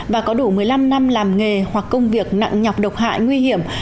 và có đủ một mươi năm năm làm nghề hoặc công việc nặng nhọc độc hại nguy hiểm